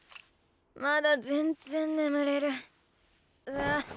まだ全然眠れるうわ。